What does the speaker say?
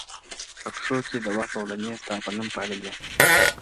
په پښو کي چي د وخت زولنې ستا په نوم پاللې”